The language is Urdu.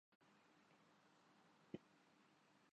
یہ نوجوان استاد بن جاتے ہیں۔